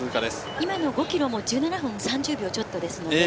今の５ｋｍも１７分３０秒ちょっと。